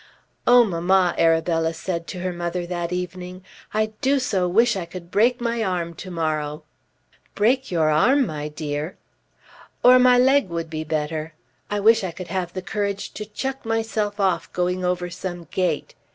"Oh, mamma," Arabella said to her mother that evening, "I do so wish I could break my arm to morrow." "Break your arm, my dear!" "Or my leg would be better. I wish I could have the courage to chuck myself off going over some gate.